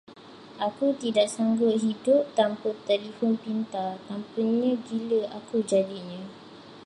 Aku tak sanggup hidup tanpa telefon pintar, tanpanya gila aku jadinya.